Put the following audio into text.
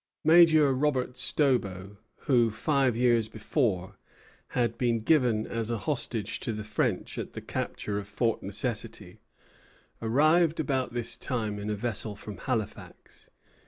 Major Robert Stobo, who, five years before, had been given as a hostage to the French at the capture of Fort Necessity, arrived about this time in a vessel from Halifax.